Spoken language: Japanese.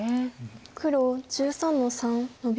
黒１３の三ノビ。